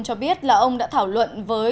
cho biết là ông đã thảo luận với